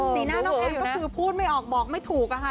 หน้าน้องแพมก็คือพูดไม่ออกบอกไม่ถูกอะค่ะ